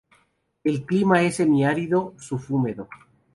El clima es semiárido subhúmedo.